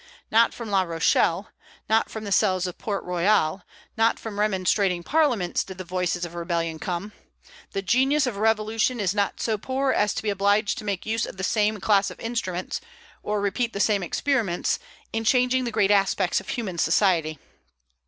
Not from La Rochelle, not from the cells of Port Royal, not from remonstrating parliaments did the voices of rebellion come: the genius of Revolution is not so poor as to be obliged to make use of the same class of instruments, or repeat the same experiments, in changing the great aspects of human society.